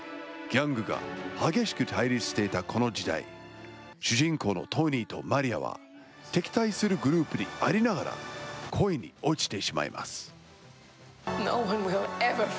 ギャングが激しく対立していたこの時代、主人公のトニーとマリアは、敵対するグループにありながら、恋に落ちてしまいます。